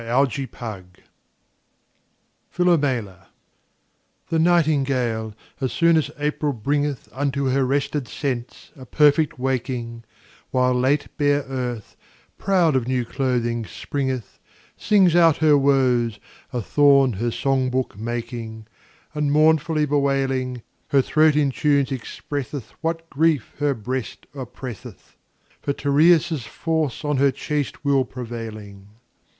1554–86 91. Philomela THE Nightingale, as soon as April bringeth Unto her rested sense a perfect waking, While late bare Earth, proud of new clothing, springeth, Sings out her woes, a thorn her song book making; And mournfully bewailing, 5 Her throat in tunes expresseth What grief her breast oppresseth, For Tereus' force on her chaste will prevailing.